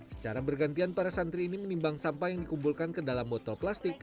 secara bergantian para santri ini menimbang sampah yang dikumpulkan ke dalam botol plastik